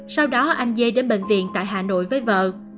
sau đó anh dê đến bệnh viện tại hà nội với vợ